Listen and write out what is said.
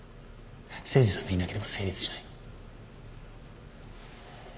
誠司さんがいなければ成立しない。